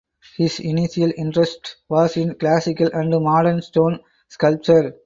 His initial interest was in classical and modern stone sculpture.